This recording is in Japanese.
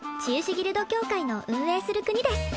ギルド協会の運営する国です